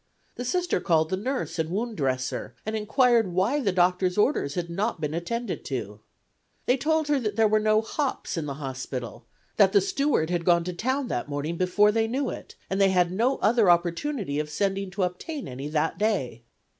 The Sister called the nurse and wound dresser and inquired why the doctor's orders had not been attended to. They told her that there were no hops in the hospital; that the steward had gone to town that morning before they knew it, and they had no other opportunity of sending to obtain any that day.